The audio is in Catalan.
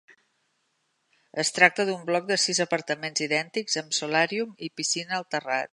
Es tracta d'un bloc de sis apartaments idèntics, amb solàrium i piscina al terrat.